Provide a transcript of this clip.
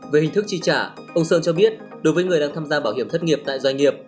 về hình thức chi trả ông sơn cho biết đối với người đang tham gia bảo hiểm thất nghiệp tại doanh nghiệp